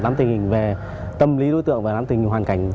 nắm tình hình về tâm lý đối tượng và nắm tình hình hoàn cảnh